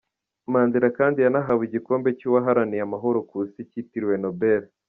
Mandela kandi yanahawe igikombe cy’uwaharaniye amahoro ku isi Kitiriwe Nobel.